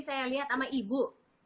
saya lihat sama ibu